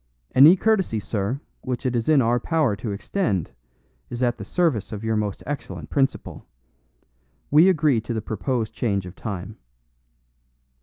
"Any courtesy, sir, which it is in our power to extend is at the service of your excellent principal. We agree to the proposed change of time."